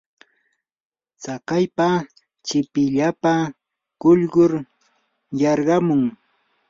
tsakaypa chipipillapa quyllur yarqamun.